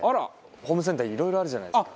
ホームセンターいろいろあるじゃないですか。